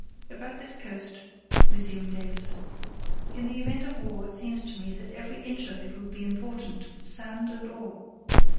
"About this coast," resumed Davies. "In the event of war it seems to me that every inch of it would be important, _sand and all.